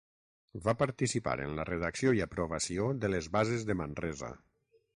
Va participar en la redacció i aprovació de les Bases de Manresa.